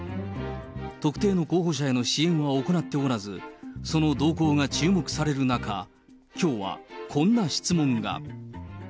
特定の候補者への支援は行っておらず、その動向が注目される中、きょうはこんな質問が。